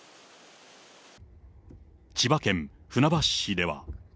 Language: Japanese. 千葉県船橋市では。